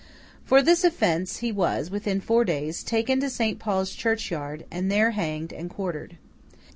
For this offence he was, within four days, taken to St. Paul's Churchyard, and there hanged and quartered.